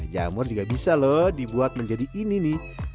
jamur juga bisa loh dibuat menjadi ini nih